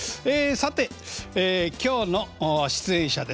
さて今日の出演者です。